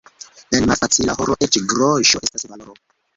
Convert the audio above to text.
En malfacila horo eĉ groŝo estas valoro.